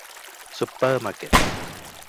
ซุปเปอร์มาร์เก็ต